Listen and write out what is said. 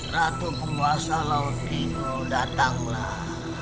ratu penguasa laut tiku datanglah